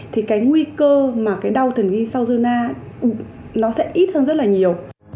thì cái nguy cơ mà cái đau thần kinh sau zona nó sẽ ít hơn rất là nhiều